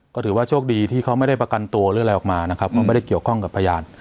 ก็ถือว่าโชคดีที่เขาไม่ได้ประกันตัวหรืออะไรออกมานะครับก็ไม่ได้เกี่ยวข้องกับพยาน